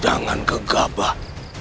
jangan gegah abah